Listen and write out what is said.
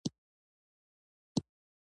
لکه ونه مستقیم پۀ خپل مکان يم